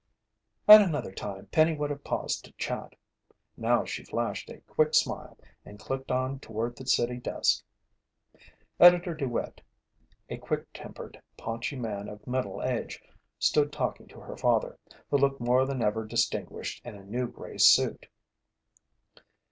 At another time, Penny would have paused to chat. Now she flashed a quick smile and clicked on toward the city desk. Editor DeWitt, a quick tempered, paunchy man of middle age stood talking to her father, who looked more than ever distinguished in a new gray suit.